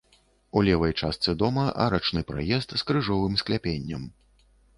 У левай частцы дома арачны праезд з крыжовым скляпеннем.